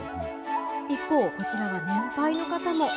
一方、こちらは年配の方も。